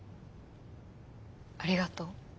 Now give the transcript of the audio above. ありがとう。